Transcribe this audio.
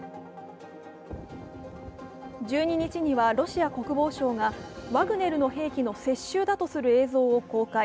１２日にはロシア国防省がワグネルの兵器の接収だとする映像を公開。